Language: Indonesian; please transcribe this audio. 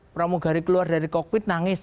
pramugari keluar dari kokpit nangis